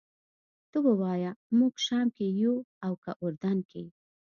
ته ووایه موږ شام کې یو او که اردن کې.